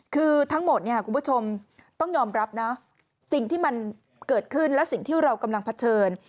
คือทั้งหมดเนี่ยคุณผู้ชมต้องยอมรับนะสิ่งที่มันเกิดขึ้นและสิ่งที่เรากำลังเผชิญ